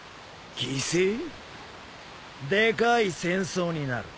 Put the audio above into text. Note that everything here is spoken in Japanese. でかい戦争になる。